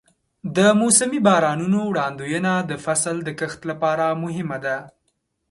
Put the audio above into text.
د موسمي بارانونو وړاندوینه د فصل د کښت لپاره مهمه ده.